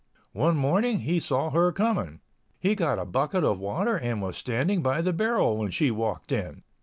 One morning he saw her coming. He got a bucket of water and was standing by the barrel when she walked in.